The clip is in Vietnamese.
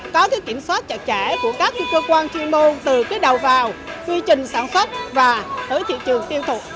có kiểm soát chặt chẽ của các cơ quan chuyên môn từ đầu vào quy trình sản xuất và tới thị trường tiêu thụ